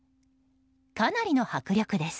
かなりの迫力です。